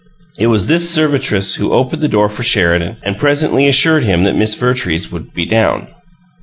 It was this servitress who opened the door for Sheridan and presently assured him that Miss Vertrees would "be down."